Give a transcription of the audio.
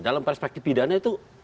dalam perspektif pidana itu